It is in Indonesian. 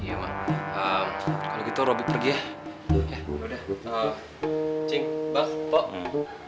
emang gak suka sama si rere itu rom